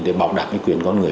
để bảo đảm cái quyền con người